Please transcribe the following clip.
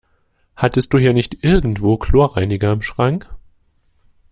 Hattest du hier nicht irgendwo Chlorreiniger im Schrank?